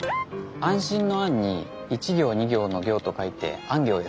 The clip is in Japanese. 安心の「安」に一行二行の「行」と書いて「安行」です。